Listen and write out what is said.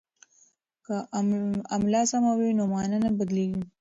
که املا سمه وي نو مانا نه بدلیږي.